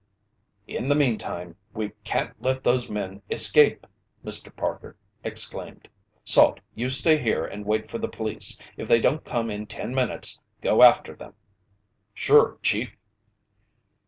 "In the meantime, we can't let those men escape!" Mr. Parker exclaimed. "Salt, you stay here and wait for the police. If they don't come in ten minutes, go after them!" "Sure, Chief!"